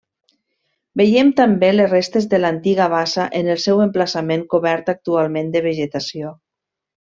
Veiem també les restes de l'antiga bassa en el seu emplaçament cobert actualment de vegetació.